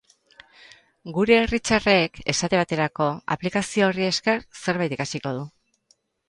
Gure Richardek, esate baterako, aplikazio horri esker zerbait ikasiko du.